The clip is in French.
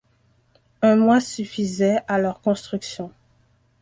Un mois suffisait à leur construction.